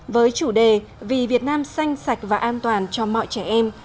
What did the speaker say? với chủ đề vì việt nam xanh sạch và an toàn cho mọi trẻ em